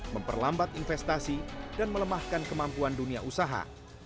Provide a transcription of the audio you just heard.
memperlambat investasi dan melemahkan kemampuan dunia usaha